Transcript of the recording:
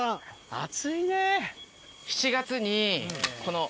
暑いね。